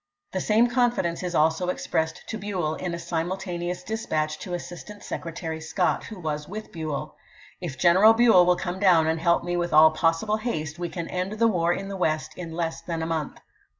The same confidence is also ex pressed to Buell, in a simultaneous dispatch to Assistant Secretary Scott, who was with Buell. " If General Buell will come down and help me with all possible haste we can end the war in the West in less than a month."